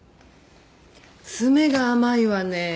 詰めが甘いわね。